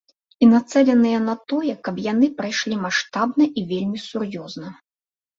І нацэленыя на тое, каб яны прайшлі маштабна і вельмі сур'ёзна.